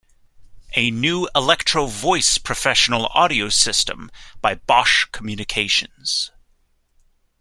A new Electro-Voice professional audio system by Bosch Communications.